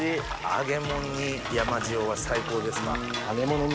揚げ物には最高ですね。